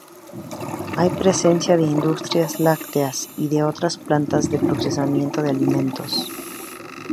Hay presencia de industrias lácteas y de otras plantas de procesamiento de alimentos.